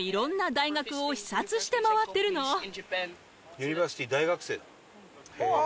ユニバーシティー大学生だ。